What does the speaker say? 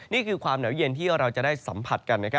นี่คือความหนาวเย็นที่เราจะได้สัมผัสกัน